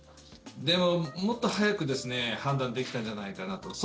でも、もっと早く判断できたんじゃないかなと。